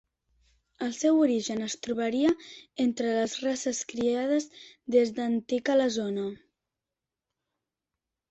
El seu origen es trobaria entre les races criades des d'antic a la zona.